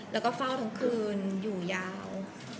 แล้วก็เฝ้าทั้งคืนอยู่ยาว